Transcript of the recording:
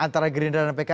antara gerindra dan pks